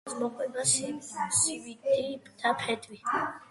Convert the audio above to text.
მოსახლეობას მოჰყავდა სიმინდი და ფეტვი.